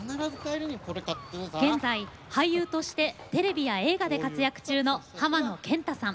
現在俳優としてテレビや映画で活躍中の浜野謙太さん。